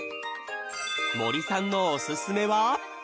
森さんのおすすめは？